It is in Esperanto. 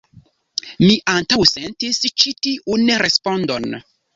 Mi antaŭsentis ĉi tiun respondon.